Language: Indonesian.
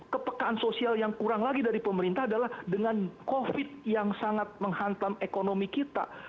kepekaan sosial yang kurang lagi dari pemerintah adalah dengan covid yang sangat menghantam ekonomi kita